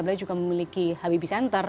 beliau juga memiliki hbbcenter